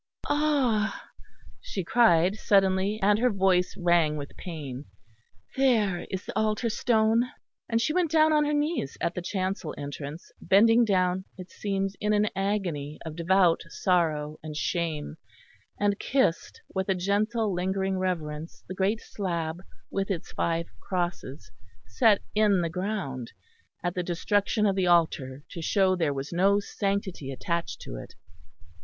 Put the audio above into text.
"Ah!" she cried suddenly, and her voice rang with pain, "there is the altar stone." And she went down on her knees at the chancel entrance, bending down, it seemed, in an agony of devout sorrow and shame; and kissed with a gentle, lingering reverence the great slab with its five crosses, set in the ground at the destruction of the altar to show there was no sanctity attached to it.